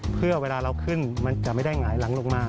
เพื่อเวลาเราขึ้นมันจะไม่ได้หงายหลังลงมา